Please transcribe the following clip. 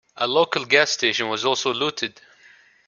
A local gas station was also looted.